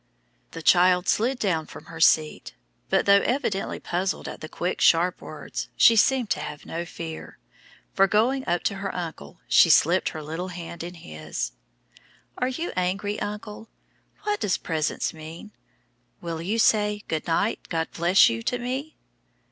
The child slid down from her seat, but though evidently puzzled at the quick, sharp words, she seemed to have no fear, for, going up to her uncle, she slipped her little hand into his. "Are you angry, uncle? What does 'presence' mean? Will you say, 'Good night; God bless you,' to me?"